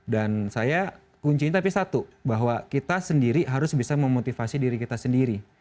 dan saya kuncinya tapi satu bahwa kita sendiri harus bisa memotivasi diri kita sendiri